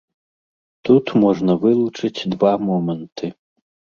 Тут можна вылучыць два моманты.